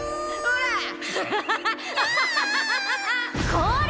こら！